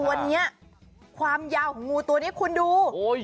วันนี้ความยาวของงูตัวนี้คุณดู